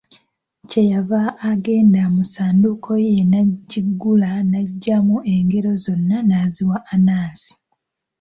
Kye yava agenda mu ssanduuko ye n'agiggula n'aggyamu engero zonna n'azikwasa Anansi.